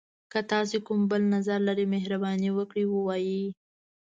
که تاسي کوم بل نظر لری، مهرباني وکړئ ووایئ.